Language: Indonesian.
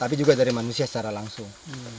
tapi juga dari manusia secara langsung